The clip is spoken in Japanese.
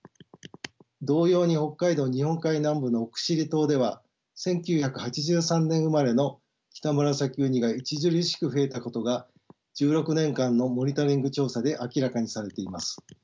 同様に北海道日本海南部の奥尻島では１９８３年生まれのキタムラサキウニが著しく増えたことが１６年間のモニタリング調査で明らかにされています。